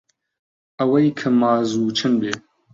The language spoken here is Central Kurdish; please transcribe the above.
ئەوەی کە مازوو چن بێ